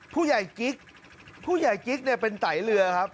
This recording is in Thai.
ผู้ใหญ่กิ๊กผู้ใหญ่กิ๊กเนี่ยเป็นไตเรือครับ